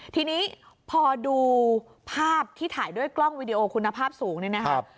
ทีนี้พอดูภาพที่ถ่ายด้วยกล้องวิดีโอคุณภาพสูงเนี่ยนะครับ